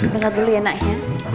dengar dulu ya naknya